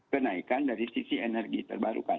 kenaikan dari sisi energi terbarukan